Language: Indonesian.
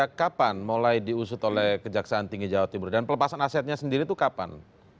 sejak kapan mulai diusut oleh kejaksaan tinggi jawa timur dan pelepasan asetnya sendiri itu kapan